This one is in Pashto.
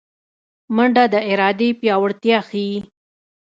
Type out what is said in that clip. منډه د ارادې پیاوړتیا ښيي